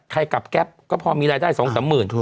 กลับแก๊ปก็พอมีรายได้๒๓หมื่น